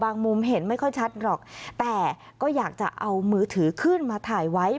มุมเห็นไม่ค่อยชัดหรอกแต่ก็อยากจะเอามือถือขึ้นมาถ่ายไว้